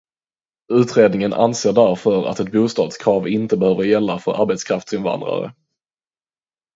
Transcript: Utredningen anser därför att ett bostadskrav inte behöver gälla för arbetskraftsinvandrare.